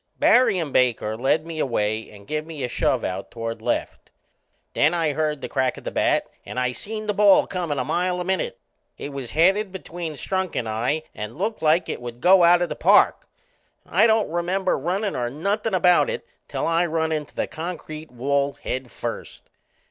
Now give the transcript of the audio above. Barry and Baker led me away and give me a shove out toward left. Then I heard the crack o' the bat and I seen the ball comin' a mile a minute. It was headed between Strunk and I and looked like it would go out o' the park. I don't remember runnin' or nothin' about it till I run into the concrete wall head first.